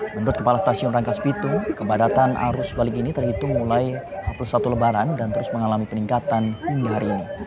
menurut kepala stasiun rangkas bitung kepadatan arus balik ini terhitung mulai h satu lebaran dan terus mengalami peningkatan hingga hari ini